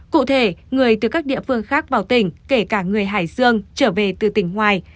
cụ thể người từ các địa phương khác vào tỉnh kể cả người hải dương trở về từ tỉnh ngoài